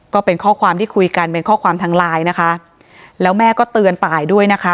ก็เป็นข้อความที่คุยกันเป็นข้อความทางไลน์นะคะแล้วแม่ก็เตือนตายด้วยนะคะ